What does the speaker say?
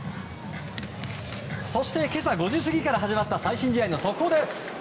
そして、今朝５時過ぎから始まった最新試合の速報です。